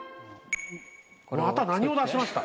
また何を出しました？